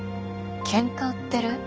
ケンカ売ってる？